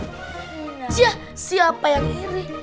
ih siapa yang iri